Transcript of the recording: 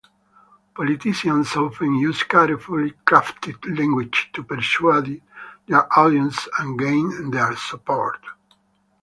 Politicians often use carefully crafted language to persuade their audience and gain their support.